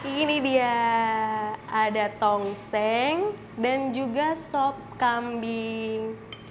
ini dia ada tongseng dan juga sop kambing